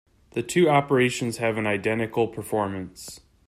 The two operations have an identical performance.